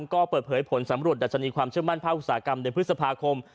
ก็เปิดเผยผลสำรวจดัชนีความเชื่อมั่นภาคอุตสาหกรรมในพฤษภาคม